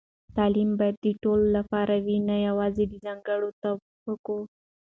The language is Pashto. تعلیم باید د ټولو لپاره وي، نه یوازې د ځانګړو طبقو.